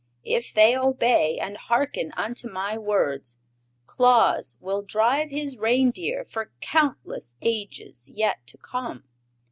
If they obey, and harken unto my words, Claus will drive his reindeer for countless ages yet to come."